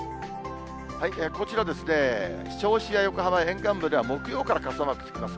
こちら、銚子や横浜、沿岸部では木曜から傘マークつきます。